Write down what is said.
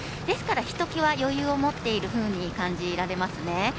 ですからひときわ余裕を持っているふうに感じられますね。